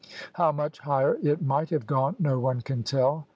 How much higher it might have gone no one can tell.